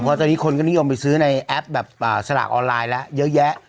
เพราะตอนนี้คนก็นิยมไปซื้อในแอปแบบสลากออนไลน์แล้วเยอะแยะ